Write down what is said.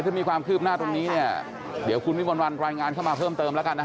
ถ้ามีความคืบหน้าตรงนี้เนี่ยเดี๋ยวคุณวิมวลวันรายงานเข้ามาเพิ่มเติมแล้วกันนะ